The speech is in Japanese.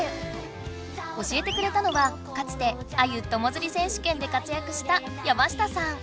教えてくれたのはかつてアユ友づり選手権で活やくした山下さん。